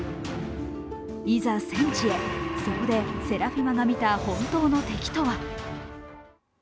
いざ戦地へ、そこでセラフィマが見た本当の敵とは。